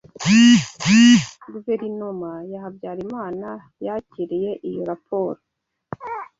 Guverinoma ya Habyarimana yakiriye iyo raporo